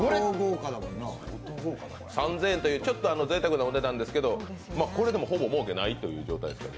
３０００円というちょっとぜいたくなお値段ですけどこれでもほぼ利益がないという。